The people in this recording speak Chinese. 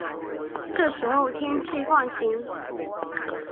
这时候天气放晴